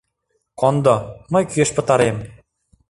Кондо, мый кӱэшт пытарем.